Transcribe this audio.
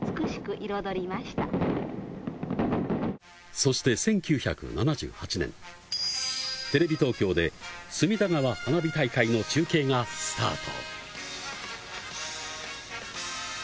そして１９７８年、テレビ東京で隅田川花火大会の中継がスタート。